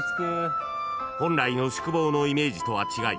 ［本来の宿坊のイメージとは違い